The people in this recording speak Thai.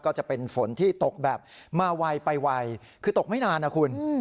ก็จะเป็นฝนที่ตกแบบมาไวไปไวคือตกไม่นานนะคุณ